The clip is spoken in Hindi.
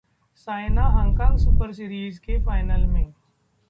सायना हांगकांग सुपर सीरीज के फाइनल में